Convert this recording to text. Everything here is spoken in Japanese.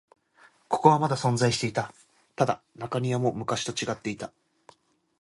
ここはまだ存在していた。ただ、中庭も昔と違っていた。